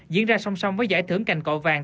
diễn ra song song với giải thưởng cành cọ vàng